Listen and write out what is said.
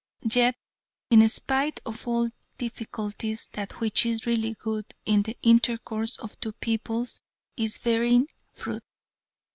Yet, in spite of all difficulties, that which is really good in the intercourse of the two peoples is bearing fruit.